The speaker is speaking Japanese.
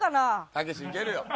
たけしいけるよ。